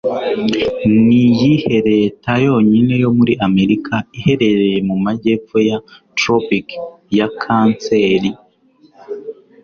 Niyihe Leta Yonyine yo muri Amerika Iherereye mu majyepfo ya Tropic ya Kanseri?